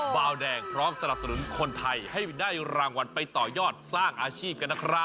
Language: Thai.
บาวแดงพร้อมสนับสนุนคนไทยให้ได้รางวัลไปต่อยอดสร้างอาชีพกันนะครับ